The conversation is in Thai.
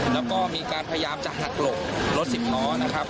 แล้วก็มีการพยายามจะหักหลบรถสิบล้อนะครับ